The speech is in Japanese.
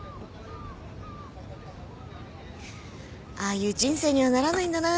ああいう人生にはならないんだな